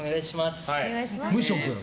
無職。